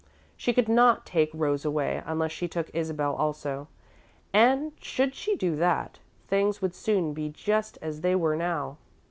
She could not take Rose away unless she took Isabel also, and, should she do that, things would soon be just as they were now.